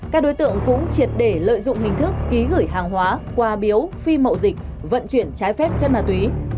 các đối tượng cũng triệt để lợi dụng hình thức ký gửi hàng hóa quà biếu phim mậu dịch vận chuyển trái phép chân ma túy